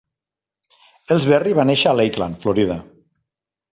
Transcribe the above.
Elsberry va néixer a Lakeland, Florida.